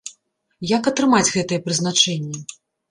Як атрымаць гэтае прызначэнне?